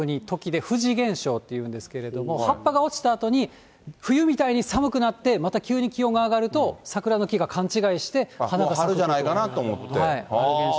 不可能の不にで不時現象って言うんですけど、葉っぱが落ちたあとに、冬みたいに寒くなって、また急に気温が上がると、桜の木が勘違いしてはるんじゃないかと思って。